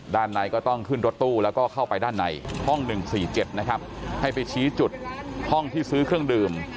ด้านในก็ต้องขึ้นรถตู้แล้วก็เข้าไปด้านในห้อง๑๔๗นะครับให้ไปชี้จุดห้องที่ซื้อเครื่องดื่ม